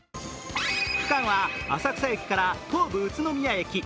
区間は浅草駅から東武宇都宮駅。